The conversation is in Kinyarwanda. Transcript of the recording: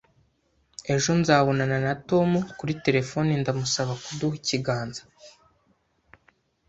Ejo nzabonana na Tom kuri terefone ndamusaba kuduha ikiganza